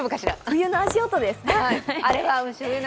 冬の足音です。